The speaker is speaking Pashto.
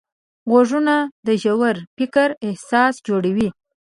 غوږونه د ژور فکر اساس جوړوي